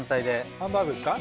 ハンバーグですか？